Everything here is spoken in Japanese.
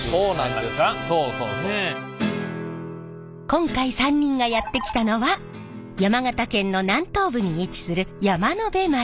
今回３人がやって来たのは山形県の南東部に位置する山辺町。